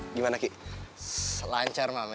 eh gimana ki selancar mam